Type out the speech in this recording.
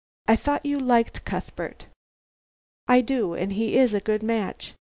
I thought you liked Cuthbert." "I do, and he is a good match.